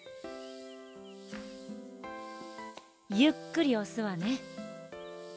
ゆっくりおすわね。